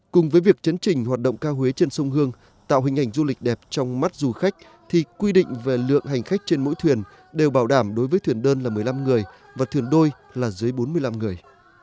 cùng với việc chấn trình hoạt động cao huế trên sông hương tạo hình ảnh du lịch đẹp trong mắt du khách thì quy định về lượng hành khách trên mỗi thuyền đều bảo đảm đối với thuyền đơn là một mươi năm người và thuyền đôi là dưới bốn mươi năm người